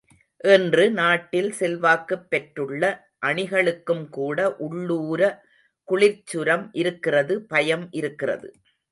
இன்று நாட்டில் செல்வாக்குப் பெற்றுள்ள அணிகளுக்கும் கூட உள்ளூர குளிர்சுரம் இருக்கிறது பயம் இருக்கிறது.